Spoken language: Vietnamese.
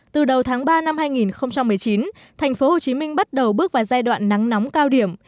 từ đầu tháng ba năm hai nghìn một mươi chín tp hcm bắt đầu bước vào giai đoạn nắng nóng cao điểm